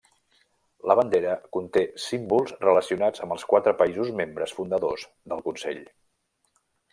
La bandera conté símbols relacionats amb els quatre països membres fundadors del Consell.